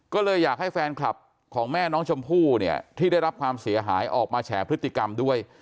ก็เลยอยากให้แฟนคลับของแม่น้องชมพู่เนี่ยที่ได้รับความเสียหายออกมาแฉพฤติกรรมด้วย